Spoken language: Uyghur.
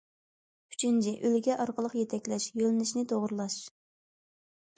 ئۈچىنچى، ئۈلگە ئارقىلىق يېتەكلەش، يۆنىلىشنى توغرىلاش.